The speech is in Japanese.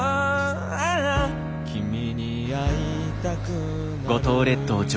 「ああ君に会いたくなる」